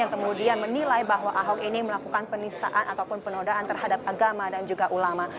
yang kemudian menilai bahwa ahok ini melakukan penistaan ataupun penodaan terhadap agama dan juga ulama